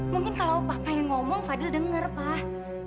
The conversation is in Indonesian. mungkin kalau papa yang ngomong fadhil denger pak